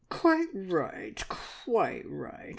"Quite right! Quite right!